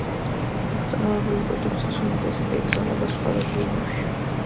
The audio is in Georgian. აქ წარმოებული პროდუქციის უმეტესობა იგზავნება სხვა რეგიონებში.